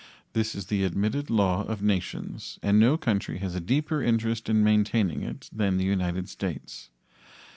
This is the admitted law of nations and no country has a deeper interest in maintaining it than the United States.